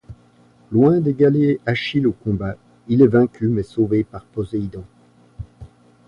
Loin d'égaler Achille au combat, il est vaincu mais sauvé par Poséidon.